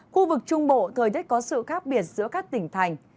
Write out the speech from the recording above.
khu vực trung bộ thời tiết có sự khác biệt giữa các tỉnh thành